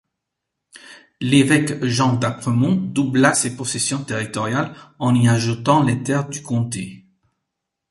L’évêque Jean d’Apremont doubla ses possessions territoriales en y ajoutant les terres du comté.